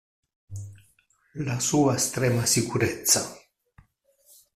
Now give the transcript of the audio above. La sua estrema sicurezza.